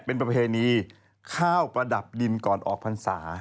เป็นประเพณีข้าวประดับดินก่อนออกพรรษา